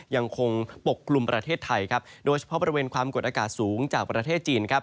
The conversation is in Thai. ยังคงปกกลุ่มประเทศไทยครับโดยเฉพาะบริเวณความกดอากาศสูงจากประเทศจีนครับ